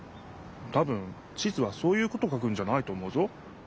たぶん地図はそういうことを書くんじゃないと思うぞ。